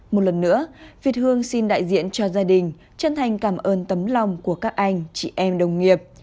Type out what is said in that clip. một lần nữa việt hương xin đại diện cho gia đình chân thành cảm ơn tấm lòng của các anh chị em đồng nghiệp